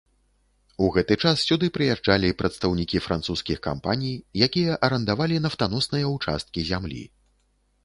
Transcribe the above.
У гэты час сюды прыязджалі прадстаўнікі французскіх кампаній, якія арандавалі нафтаносныя ўчасткі зямлі.